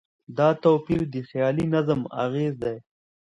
دا توپیر د خیالي نظم اغېز دی.